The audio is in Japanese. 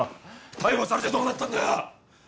逮捕されてどうなったんだよ